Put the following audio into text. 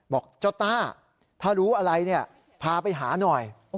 บอกเจ้าต้าถ้ารู้อะไรเนี่ยพาไปหาหน่อย